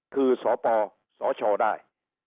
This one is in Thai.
คือสปสชได้